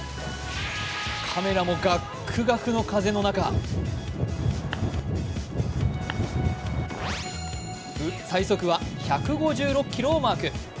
カメラもガックガクの風の中最速は１５６キロをマーク。